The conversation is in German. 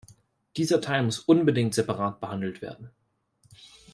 Dieser Teil muss unbedingt separat behandelt werden.